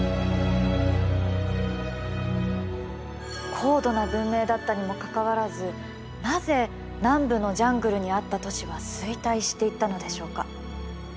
高度な文明だったにもかかわらずなぜ南部のジャングルにあった都市は衰退していったのでしょうか？